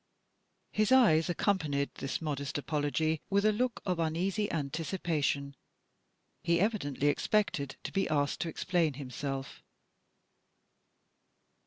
His eyes accompanied this modest apology with a look of uneasy anticipation: he evidently expected to be asked to explain himself.